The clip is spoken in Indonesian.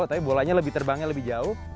tapi bolanya lebih terbangnya lebih jauh